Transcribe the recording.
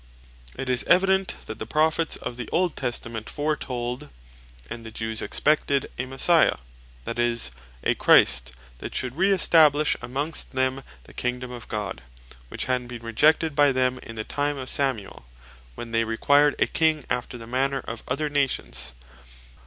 It is evident that the Prophets of the Old Testament foretold, and the Jews expected a Messiah, that is, a Christ, that should re establish amongst them the kingdom of God, which had been rejected by them in the time of Samuel, when they required a King after the manner of other Nations.